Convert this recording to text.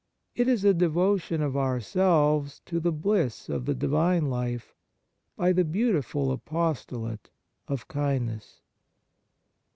It is a devotion of ourselves to the bliss of the Divine Life by the beautiful apostolate of kindness.